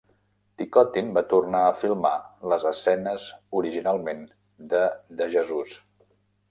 Ticotin va tornar a filmar les escenes originalment de De Jesus.